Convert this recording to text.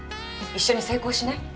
一緒に成功しない？